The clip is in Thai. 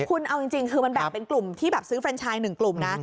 คุณเอาจริงคือมันแบ่งเป็นกลุ่มที่แบบซื้อเฟรนชายหนึ่งกลุ่มนะ